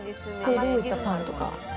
これ、どういったパンとか？